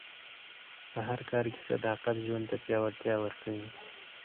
په هر کار کې صداقت ژوند ته پیاوړتیا ورکوي.